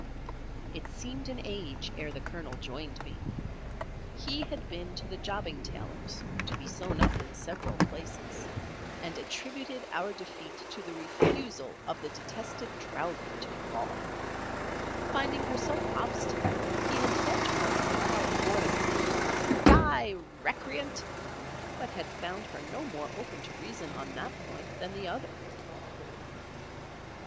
It seemed an age, ere the Colonel joined me. He had been to the jobbing tailor's to be sewn up in several places, and attributed our defeat to the refusal of the detested Drowvey to fall. Finding her so obstinate he had said to her in a loud voice, "Die, recreant!" but had found her no more open to reason on that point than the other.